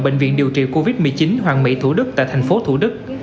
bệnh viện điều trị covid một mươi chín hoàng mỹ thủ đức tại tp thủ đức